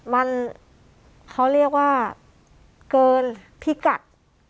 มันเขาเรียกว่าเกินพิกัด